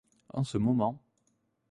En ce moment